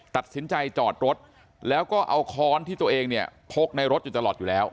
ตัดสินใจจอดรถแล้วก็เอาค้อนที่ตัวเองเนี่ยพกในรถอยู่ตลอดอยู่แล้ว